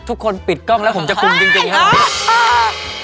ทุกคนปิดกล้องแล้วผมจะคุมจริงเดี๋ยวหรือ